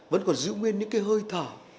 vẫn còn giữ nguyên những hơi thở